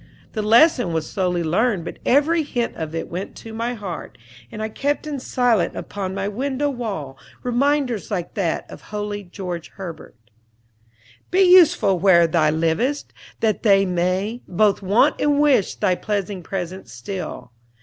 The lesson was slowly learned, but every hint of it went to my heart, and I kept in silent upon my window wall reminders like that of holy George Herbert: "Be useful where thou livest, that they may Both want and wish thy pleasing presence still.